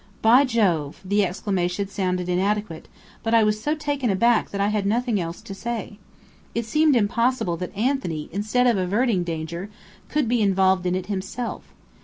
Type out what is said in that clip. "By Jove!" The exclamation sounded inadequate, but I was so taken aback that I had nothing else to say. It seemed impossible that Anthony, instead of averting danger, could be involved in it himself.